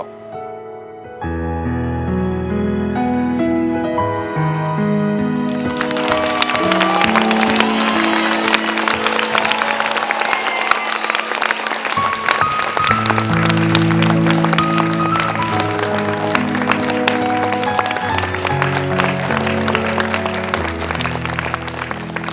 คุณภรรยา